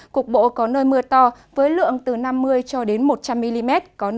cục bộ có nơi mưa to với lượng từ năm mươi cho đến một trăm linh mm